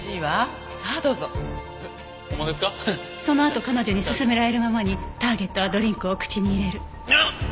そのあと彼女に勧められるままにターゲットはドリンクを口に入れる。